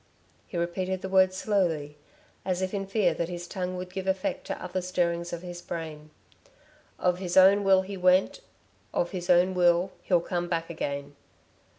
He repeated the word slowly as if in fear that his tongue would give effect to other stirrings of his brain. "Of his own will he went of his own will he'll come back again."